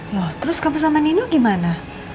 loh terus kamu sama nino gimana